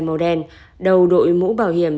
màu đen đầu đội mũ bảo hiểm